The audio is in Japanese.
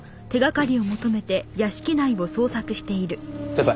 先輩。